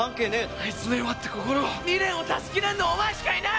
あいつの弱った心を未練を断ち切れるのはお前しかいない！